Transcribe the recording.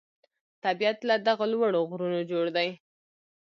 طبیعت له دغو لوړو غرونو جوړ دی.